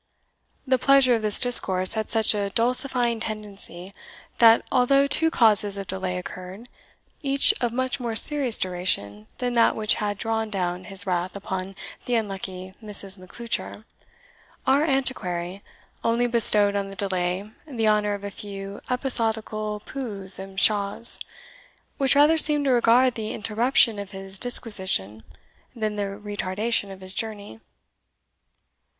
The pleasure of this discourse had such a dulcifying tendency, that, although two causes of delay occurred, each of much more serious duration than that which had drawn down his wrath upon the unlucky Mrs. Macleuchar, our =Antiquary= only bestowed on the delay the honour of a few episodical poohs and pshaws, which rather seemed to regard the interruption of his disquisition than the retardation of his journey.